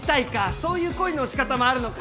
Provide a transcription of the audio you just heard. そういう恋の落ち方もあるのか！